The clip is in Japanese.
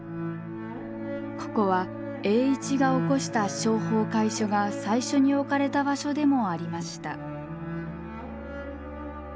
ここは栄一が起こした商法會所が最初に置かれた場所でもありました。